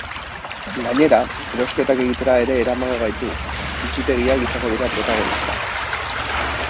Gainera, erosketak egitera ere eramango gaitu, bitxitegiak izango dira protagonista.